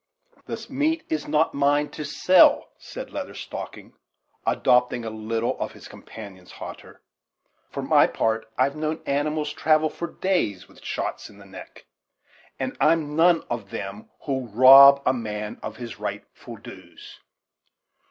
"The meat is none of mine to sell," said Leather Stocking, adopting a little of his companion's hauteur; "for my part, I have known animals travel days with shots in the neck, and I'm none of them who'll rob a man of his rightful dues."